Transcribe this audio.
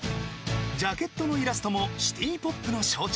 ［ジャケットのイラストもシティポップの象徴］